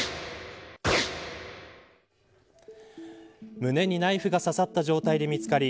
胸にナイフが刺さった状態で見つかり